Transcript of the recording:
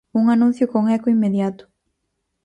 Un anuncio con eco inmediato.